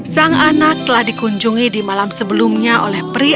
sang anak telah dikunjungi di malam sebelumnya oleh pria